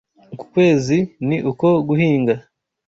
Uku kwezi ni uko guhinga